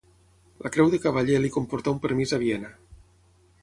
La Creu de Cavaller li comportà un permís a Viena.